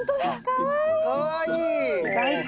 かわいい！